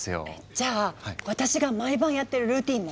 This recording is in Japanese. じゃあ私が毎晩やってるルーティーンも。